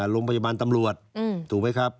โรงพยาบาลตำรวจถูกไหมครับ